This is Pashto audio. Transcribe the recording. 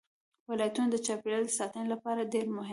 ولایتونه د چاپیریال ساتنې لپاره ډېر مهم دي.